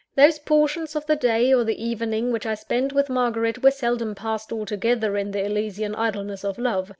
Those portions of the day or the evening which I spent with Margaret, were seldom passed altogether in the Elysian idleness of love.